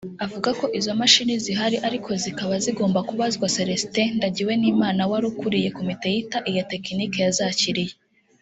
Avuga ko izo mashini zihari ariko zikaba zigomba kubazwa Celestin Ndagiwenimana wari ukuriye komite yita iya Tekinike yazakiriye